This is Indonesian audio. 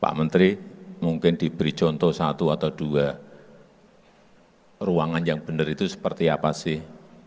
pak menteri mungkin diberi contoh satu atau dua ruangan yang benar itu seperti apa sih